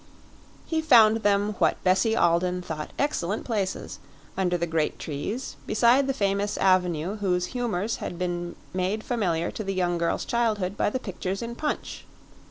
He found them what Bessie Alden thought excellent places, under the great trees, beside the famous avenue whose humors had been made familiar to the young girl's childhood by the pictures in Punch.